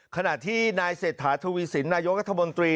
ขณะที่นายเศรษฐาทวีสินนายกรัฐมนตรี